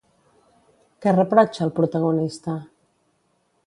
Què reprotxa el protagonista?